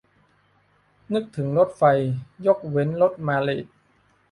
นึกถึงรถไฟ ยกเว้นว่ารถมาเลต